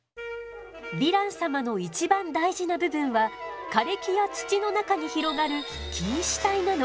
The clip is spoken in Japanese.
ヴィラン様の一番大事な部分は枯れ木や土の中に広がる菌糸体なの。